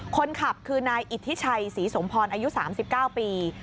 คนขับคือนายอิทธิชัยศรีสมพรอายุ๓๙ปี